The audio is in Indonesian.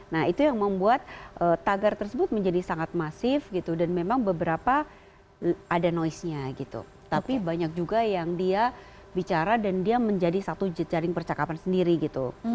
nah itu yang membuat tagar tersebut menjadi sangat masif gitu dan memang beberapa ada noise nya gitu tapi banyak juga yang dia bicara dan dia menjadi satu jejaring percakapan sendiri gitu